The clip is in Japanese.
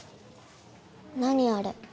何あれ。